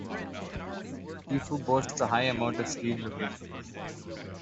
Gifu boasts a high amount of skiing locations.